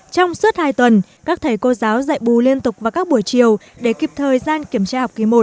trong suốt hai tuần các thầy cô giáo dạy bù liên tục vào các buổi chiều để kịp thời gian kiểm tra học kỳ một